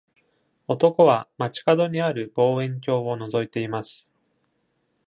男は街角にある望遠鏡をのぞいています。